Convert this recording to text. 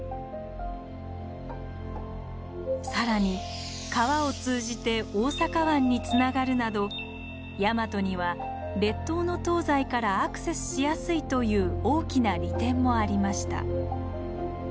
更に川を通じて大阪湾につながるなどヤマトには列島の東西からアクセスしやすいという大きな利点もありました。